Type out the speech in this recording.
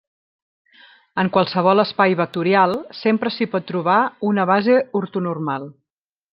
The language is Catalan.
En qualsevol espai vectorial, sempre s'hi pot trobar una base ortonormal.